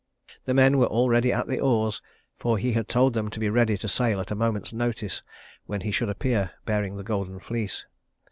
The men were already at the oars, for he had told them to be ready to sail at a moment's notice when he should appear bearing the golden fleece.